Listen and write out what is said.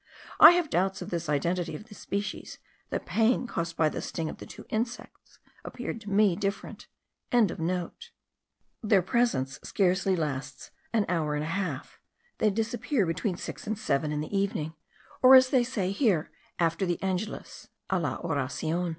I have doubts of this identity of the species; the pain caused by the sting of the two insects appeared to me different.) Their presence scarcely lasts an hour and a half; they disappear between six and seven in the evening, or, as they say here, after the Angelus (a la oracion).